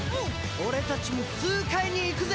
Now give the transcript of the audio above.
俺たちも痛快にいくぜ！